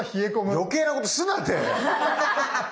おい余計なことすんなって。